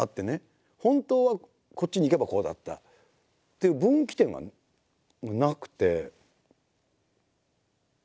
本当はこっちに行けばこうだったっていう分岐点がなくて。